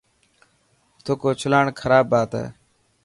ٿڪ اوچلاڻ خراب بات هي.